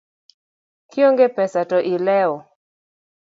Kionge pesa to ilewo